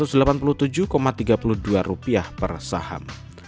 dengan harga empat ratus delapan puluh tujuh tiga puluh dua rupiah per saham